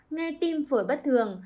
nghe tim phổi bất thường